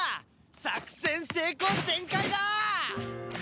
作戦成功全開だ！